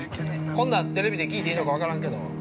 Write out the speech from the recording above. こんなんテレビで聞いていいのか分からんけど。